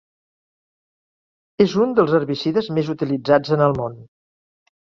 És un dels herbicides més utilitzats en el món.